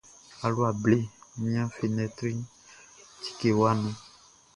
Alua ble nian fenɛtri tikewa nu.